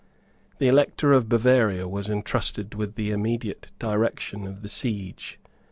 The Elector of Bavaria was entrusted with the immediate direction of the siege.